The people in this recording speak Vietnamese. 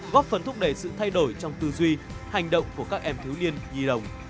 góp phần thúc đẩy sự thay đổi trong tư duy hành động của các em thiếu niên nhi đồng